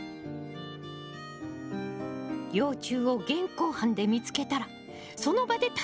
幼虫を現行犯で見つけたらその場で逮捕！